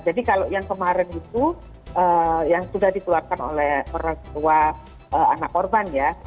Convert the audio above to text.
jadi kalau yang kemarin itu yang sudah dikeluarkan oleh orang tua anak korban ya